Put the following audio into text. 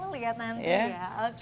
sukses persiapan itu perlu menunjukkan